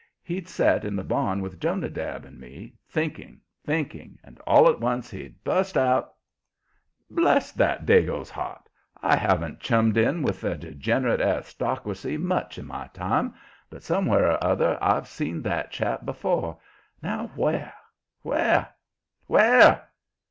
He'd set in the barn with Jonadab and me, thinking, thinking, and all at once he'd bust out: "Bless that Dago's heart! I haven't chummed in with the degenerate aristocracy much in my time, but somewhere or other I've seen that chap before. Now where where where?"